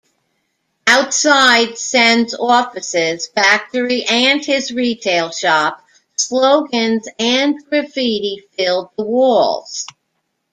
Outside Sen's offices, factory and his retail shop, slogans and graffiti filled the walls.